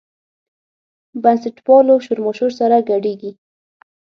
بنسټپالو شورماشور سره ګډېږي.